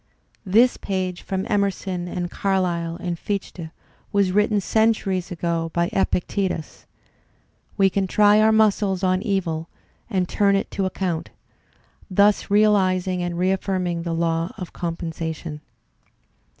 This page from Emerson and Carlyle and Pichte was written centuries Digitized by Google EMERSON 61 ago by Epictetus. We can try our muscles on evil and turn it to account, thus realizing and reaffirming the law of com pensation.